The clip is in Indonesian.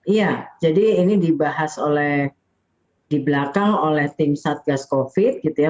iya jadi ini dibahas oleh di belakang oleh tim satgas covid gitu ya